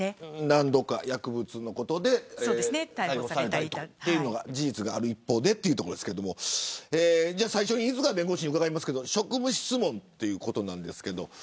何度か薬物のことで逮捕されたりというのが事実がある一方でというところですが犬塚弁護士に伺いますが職務質問ということですが。